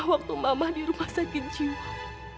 waktu mamah di rumah sakit jiwa